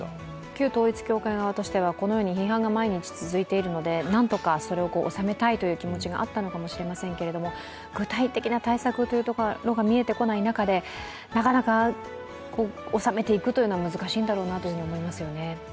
旧統一教会側としてはこのように批判が毎日続いているので何とかそれを収めたいという気持ちがあったのかもしれませんけれども、具体的な対策というところが見えてこない中でなかなか収めていくというのは難しいだろうなと思いますよね。